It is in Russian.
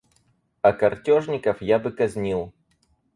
А картежников я бы казнил.